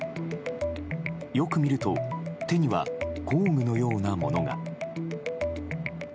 よく見ると手には工具のようなものが。